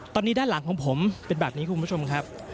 ตอนนี้ด้านหลังของผมเป็นแบบนี้คุณผู้ชมครับ